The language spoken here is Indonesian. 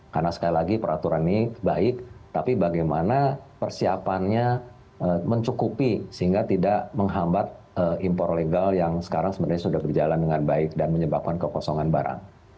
karena sekali lagi peraturan ini baik tapi bagaimana persiapannya mencukupi sehingga tidak menghambat impor legal yang sekarang sebenarnya sudah berjalan dengan baik dan menyebabkan kekosongan barang